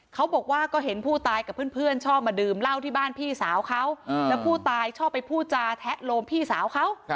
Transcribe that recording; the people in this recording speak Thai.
เขาบอกว่าก็เห็นผู้ตายกับเพื่อนชอบมาดื่มเหล้าที่บ้านพี่สาวเขาแล้วผู้ตายชอบไปพูดจาแทะโลมพี่สาวเขา